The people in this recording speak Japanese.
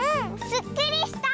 すっきりした！